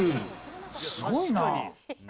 すごいな。